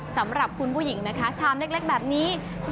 สำหรับคุณผู้หญิงนะคะชามเล็กแบบนี้